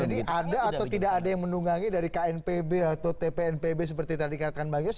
jadi ada atau tidak ada yang mendungangi dari knpb atau tpnpb seperti tadi katakan bang giyos